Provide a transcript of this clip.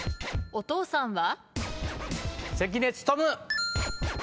お父さんは？